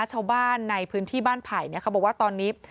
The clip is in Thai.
ชาวบ้านในพื้นที่บ้านไผ่เขาบอกว่าตอนนี้